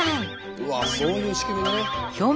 うわっそういう仕組みね。